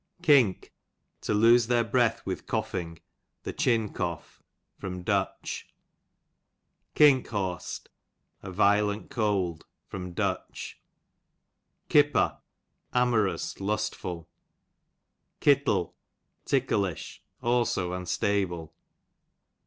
Kink, to lose their breath with coughing^ the chin' cough, Kink Eaust, a violent cold. Kipper, amorous^ lustful. Kittle, ticklish ; also unstable.